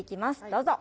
どうぞ。